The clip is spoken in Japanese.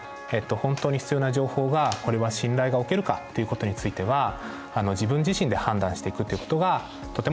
本当に必要な情報がこれは信頼が置けるかっていうことについては自分自身で判断していくっていうことがとても大切です。